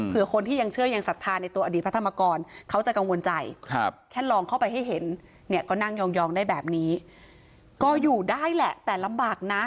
เพื่อคนที่ยังเชื่อยังศรัทธาในตัวอดีตพระธรรมกรเขาจะกังวลใจแค่ลองเข้าไปให้เห็นเนี่ยก็นั่งยองได้แบบนี้ก็อยู่ได้แหละแต่ลำบากนะ